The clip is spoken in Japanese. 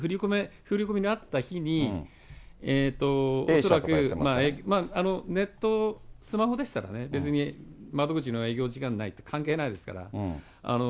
振り込みのあった日に、恐らくネット、スマホでしたらね、別に窓口の営業時間とか関係ないですから。